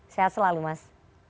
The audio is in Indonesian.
sehat selalu mas